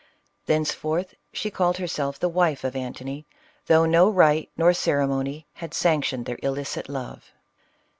Thenceforth she called herself the wife of Antony, though no rite nor ceremony had sanctioned their illicit love.